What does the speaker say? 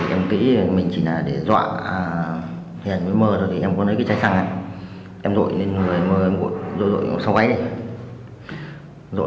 em nghĩ mình chỉ là để dọa hiền với mơ thôi thì em có lấy cái trái xăng này em dội lên người mơ em dội dội dội dội dội dội dội dội dội dội dội dội dội